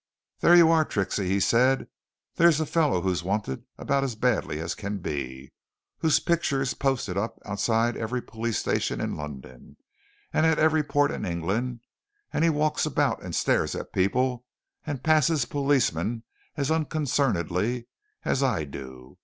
"There you are, Trixie!" he said. "There's a fellow who's wanted about as badly as can be, whose picture's posted up outside every police station in London, and at every port in England, and he walks about, and stares at people, and passes policemen as unconcernedly as I do.